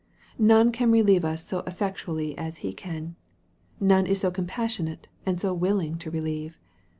None can relieve us so effectually as He can. None is so com passionate, and so willing to relieve.